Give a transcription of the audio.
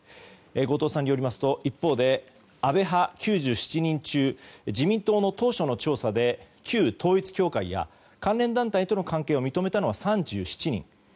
後藤さんによりますと一方で安倍派９７人中自民党の当初の調査で旧統一教会や関連団体との関係を認めたのは３７人。